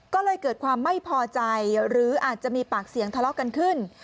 ก็เลยเกิดความไม่พอใจหรืออาจจะมีปากเสียงทะเลาะกันขึ้น